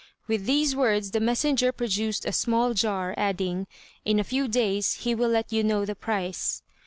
With these words the messenger produced a small jar, adding, "In a few days he will let you know the price."